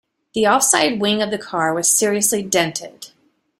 The offside wing of the car was seriously dented